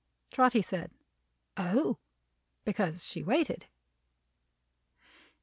Trotty said, "Oh!" because she waited.